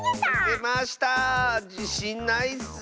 じしんないッス。